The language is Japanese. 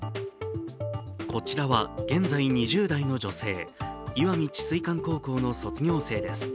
こちらは現在２０代の女性石見智翠館高校の卒業生です。